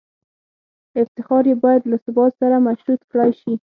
افتخار یې باید له ثبات سره مشروط کړای شي.